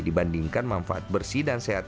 dibandingkan manfaat bersih dan sehat